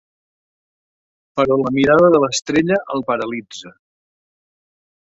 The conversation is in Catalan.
Però la mirada de l'estrella el paralitza.